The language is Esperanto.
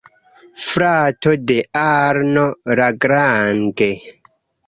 Frato de Arno Lagrange.